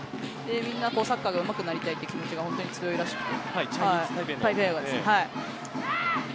みんなサッカーがうまくなりたいという気持ちが強いらしくて。